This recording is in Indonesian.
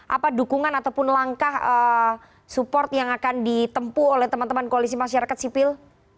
apa dukungan ataupun langkah support yang akan ditempu oleh teman teman koalisi masyarakat sipil